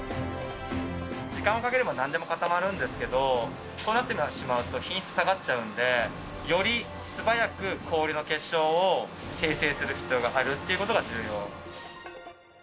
時間をかければなんでも固まるんですけどそうなってしまうと品質下がっちゃうんでより素早く氷の結晶を生成する必要があるってことが重要。